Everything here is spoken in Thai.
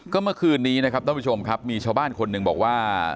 ก็เมื่อคืนนี้นะครับท่านผู้ชมครับมีชาวบ้านคนหนึ่งบอกว่า